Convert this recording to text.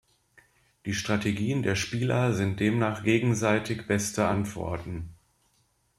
Die Strategien der Spieler sind demnach gegenseitig beste Antworten.